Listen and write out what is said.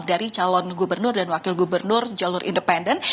dari calon gubernur dan wakil gubernur jalur independen